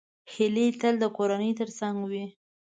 هیلۍ تل د کورنۍ تر څنګ وي